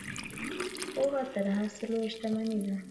پوهه تر هر څه لویه شتمني ده.